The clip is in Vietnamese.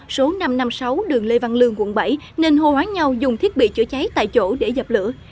số năm trăm năm mươi sáu đường lê văn lương quận bảy nên hô hoáng nhau dùng thiết bị chữa cháy tại chỗ để dập lửa